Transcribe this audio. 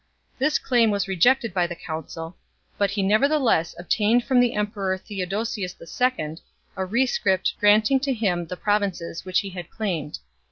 This claim was rejected by the council, but he nevertheless obtained from the emperor Theodosius II. a rescript granting to him the provinces which he had claimed.